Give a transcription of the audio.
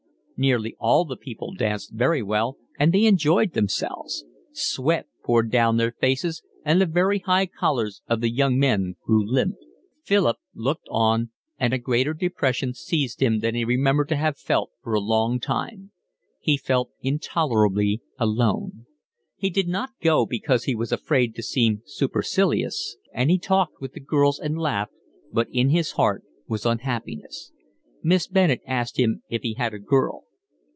Nearly all the people danced very well, and they enjoyed themselves. Sweat poured down their faces, and the very high collars of the young men grew limp. Philip looked on, and a greater depression seized him than he remembered to have felt for a long time. He felt intolerably alone. He did not go, because he was afraid to seem supercilious, and he talked with the girls and laughed, but in his heart was unhappiness. Miss Bennett asked him if he had a girl.